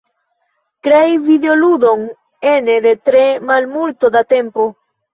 Krei videoludon ene de tre malmulto da tempo.